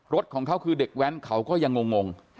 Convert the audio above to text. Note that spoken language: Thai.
รถของเขาคือเด็กแว้นเขาก็ยังงง